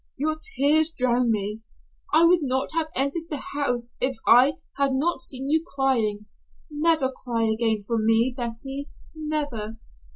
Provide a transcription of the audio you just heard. Your tears drown me. I would not have entered the house if I had not seen you crying. Never cry again for me, Betty, never."